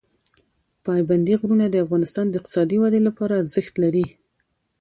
پابندي غرونه د افغانستان د اقتصادي ودې لپاره ارزښت لري.